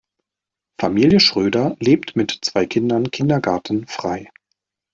Familie Schröder lebt mit zwei Kindern kindergartenfrei.